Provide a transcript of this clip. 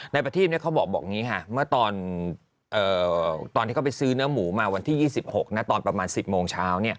ประทีพเขาบอกอย่างนี้ค่ะเมื่อตอนที่เขาไปซื้อเนื้อหมูมาวันที่๒๖ตอนประมาณ๑๐โมงเช้า